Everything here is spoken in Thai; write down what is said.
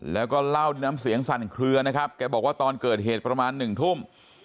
แล้วก็เล่าน้ำเสียงสั่นเคลือนะครับแกบอกว่าตอนเกิดเหตุประมาณหนึ่งทุ่ม